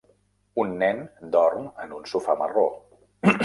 Un nen dorm en un sofà marró.